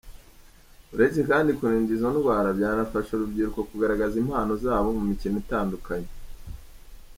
Uretse kandi kurinda izo ndwara byanafasha urubyiruko kugaragaza impano zabo mu mikino itandukanye.